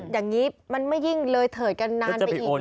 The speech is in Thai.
อย่างนี้มันไม่ยิ่งเลยเถิดกันนานไปอีก